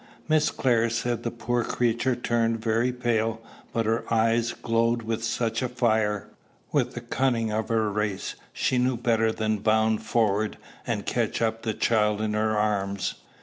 Miss Clare said the poor creature turned very pale, but her eyes glowed with such a fire! With the cunning of her race, she knew better than bound forward and catch up the child in her arms.